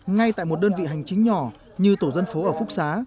ngay tại một đơn vị hành chính nhỏ như tổ dân phố ở phúc xá